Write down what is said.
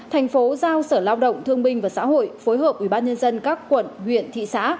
thành phố giao sở lao động thương minh và xã hội phối hợp ubnd các quận huyện thị xã